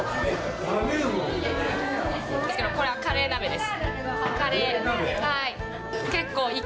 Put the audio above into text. これはカレー鍋です。